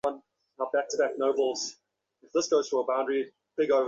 দুজনে আনন্দময়ীর পায়ের ধুলা লইয়া প্রণাম করিল।